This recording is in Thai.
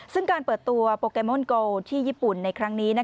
ซึ่งการเปิดตัวโปเกมอนโกที่ญี่ปุ่นในครั้งนี้